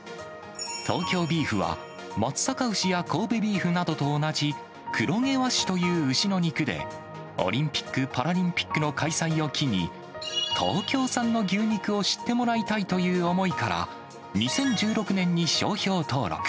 東京ビーフは、松阪牛や神戸ビーフなどと同じ黒毛和種という牛の肉で、オリンピック・パラリンピックの開催を機に、東京産の牛肉を知ってもらいたいという思いから、２０１６年に商標登録。